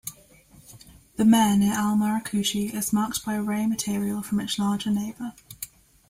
The mare near Al-Marrakushi is marked by ray material from its larger neighbor.